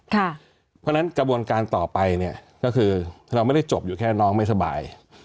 เพราะฉะนั้นกระบวนการต่อไปเนี่ยก็คือเราไม่ได้จบอยู่แค่น้องไม่สบาย